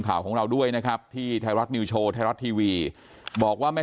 ข่าวของเราด้วยนะครับที่ไทยรัฐนิวโชว์ไทยรัฐทีวีบอกว่าไม่